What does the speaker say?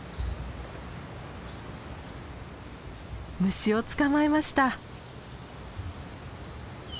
虫を捕まえました。